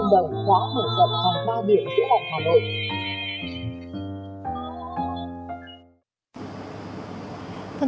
những ngày đầu xuất hiện